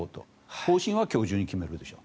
方針は今日中に決めるでしょう。